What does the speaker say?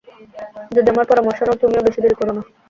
যদি আমার পরামর্শ নাও, তুমিও বেশি দেরি কোরো না।